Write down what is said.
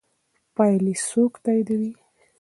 پایلې څوک تاییدوي؟